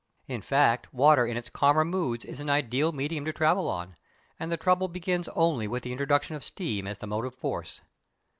In fact, water in its calmer moods is an ideal medium to travel on, and the trouble begins only with the introduction of steam as motive force.